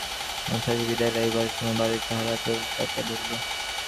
তখন শশী বিদায় লইবার সময় বালক তাহার আঁচল চাপিয়া ধরিল।